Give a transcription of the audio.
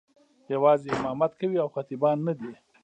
یوازې امامت کوي او خطیبان نه دي.